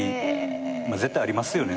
絶対ありますよね